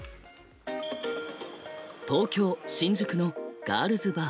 東京・新宿のガールズバー。